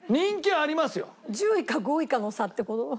１０位か５位かの差って事？